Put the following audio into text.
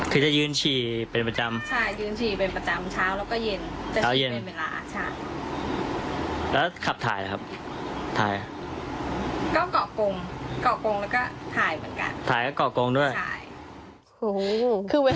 คือมันยืนฉี่เป็นประจำใช่ยืนฉี่เป็นประจำเช้าแล้วก็เย็น